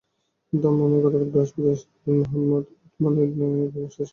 দাম্মামে গতকাল বৃহস্পতিবার সাদ বিন মোহাম্মদ আল-ওথম্যান নামের একজনের শিরশ্ছেদ করা হয়।